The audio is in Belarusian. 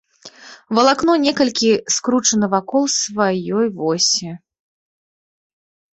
Валакно некалькі скручана вакол сваёй восі.